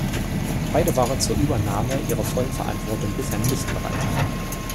Beide waren zur Übernahme ihrer vollen Verantwortung bisher nicht bereit.